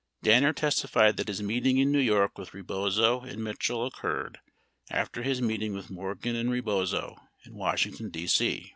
53 Danner testified that his meeting in New York with Rebozo and Mitchell occurred after his meeting with Morgan and Rebozo in Washington, D.C.